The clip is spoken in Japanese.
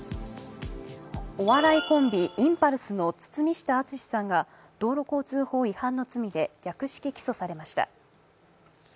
お笑いコンビ・インパルスの堤下敦さんが道路交通法違反の罪で略式起訴されました。